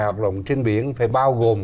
hoạt động trên biển phải bao gồm